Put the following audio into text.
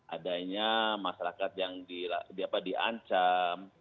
adanya masyarakat yang diancam